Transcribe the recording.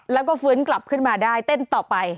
แล้วก็ฟื้นกลับขึ้นมาได้เต้นต่อไป